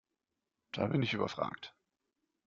Da bin ich überfragt.